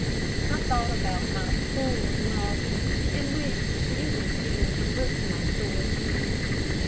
I thought about my poor mother, and wished she was here to lick my sore ears.